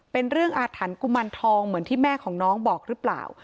เป็นเรื่องอาถรรพ์กุมารทองเหมือนที่แม่ของน้องบอกหรือเปล่า